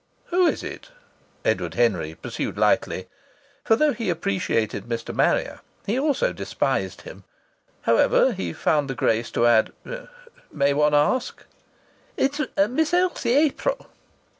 "Who is it?" Edward Henry pursued lightly, for though he appreciated Mr. Harrier, he also despised him. However, he found the grace to add: "May one ask?" "It's Miss Elsie April."